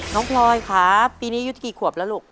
น้องพลอยคะปีนี้ยุทธ์กี่ขวบแล้วลูก